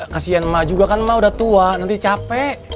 kesian emak juga kan emak udah tua nanti capek